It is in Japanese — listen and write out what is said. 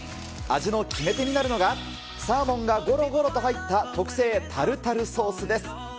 味の決め手になるのが、サーモンがごろごろと入った特製タルタルソースです。